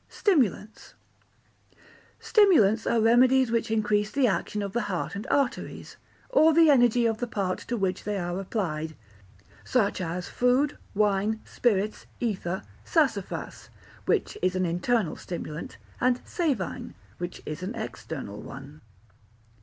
Stimulants Stimulants are remedies which increase the action of the heart and arteries, or the energy of the part to which they are applied, such as food, wine, spirits, ether, sassafras, which is an internal stimulant, and savine, which is an external one.